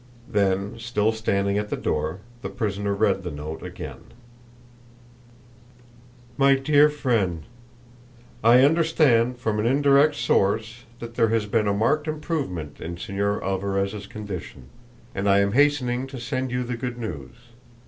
Then, still standing at the door, the prisoner read the note again: "MY DEAR FRIEND: "I understand, from an indirect source, that there has been a marked improvement in Señor Alvarez's condition, and I am hastening to send you the good news.